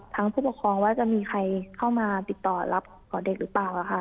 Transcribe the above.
ตังค์ผู้ประคองว่าจะมีใครเข้ามาติดต่อรับของเด็กหรือเปล่า